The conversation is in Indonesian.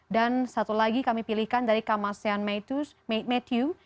dan satu lagi kami pilihkan dari kamasean matthew